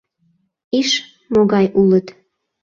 Иш, могай улыт...